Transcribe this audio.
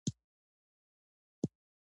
لار میله دې په بلا ولګي.